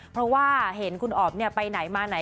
เพราะว่าเห็นคุณอ๋อมไปไหนมาไหน